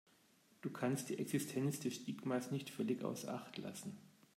Du kannst die Existenz des Stigmas nicht völlig außer Acht lassen.